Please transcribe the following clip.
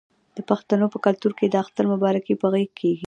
د پښتنو په کلتور کې د اختر مبارکي په غیږ کیږي.